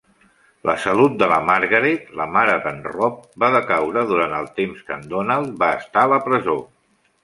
La salut de la Margaret, la mare d'en Rob, va decaure durant el temps que en Donald va estar a la presó.